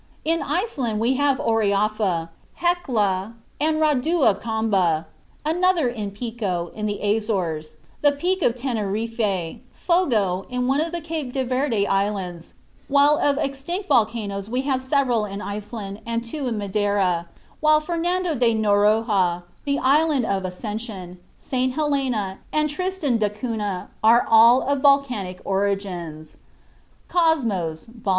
In Iceland we have Oerafa, Hecla, and Rauda Kamba; another in Pico, in the Azores; the peak of Teneriffe; Fogo, in one of the Cape de Verde Islands: while of extinct volcanoes we have several in Iceland, and two in Madeira; while Fernando de Noronha, the island of Ascension, St. Helena, and Tristan d'Acunha are all of volcanic origin. ("Cosmos," vol.